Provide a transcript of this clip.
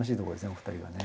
お二人はね。